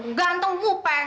diam kau kutangkap anjing